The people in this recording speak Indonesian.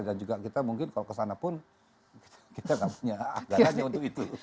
dan juga kita mungkin kalau kesanapun kita tidak punya agarannya untuk itu